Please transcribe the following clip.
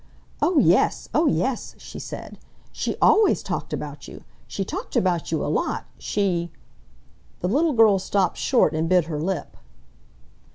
"Oh yes, oh yes!" she said. "She always talked about you. She talked about you a lot, she ..." The little girl stopped short and bit her lip.